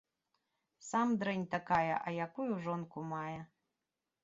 Сам дрэнь такая, а якую жонку мае.